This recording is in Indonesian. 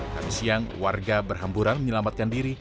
kami siang warga berhamburan menyelamatkan diri